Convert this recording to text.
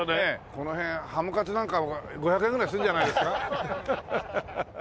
この辺ハムカツなんか５００円ぐらいするんじゃないですか。